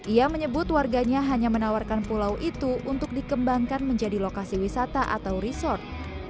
ia menyebut warganya hanya menawarkan pulau itu untuk dikembangkan menjadi lokasi wisata atau resort